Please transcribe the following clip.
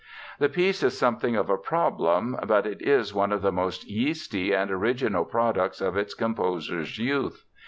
The piece is something of a problem but it is one of the most yeasty and original products of its composer's youth.